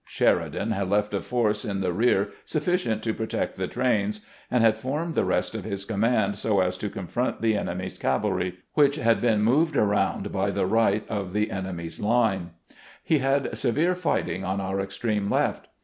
Sheridan had left a force in the rear sufficient to pro tect the trains, and had formed the rest of his command so as to confront the enemy's cavalry, which had been CONFEEENCE BETWEEN GEANT AND MEADE 53 moved around by tlie right of the enemy's line. He had severe fighting on our extreme left.